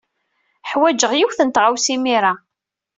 Ḥwajeɣ yiwet n tɣawsa imir-a.